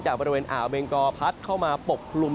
บริเวณอ่าวเบงกอพัดเข้ามาปกคลุม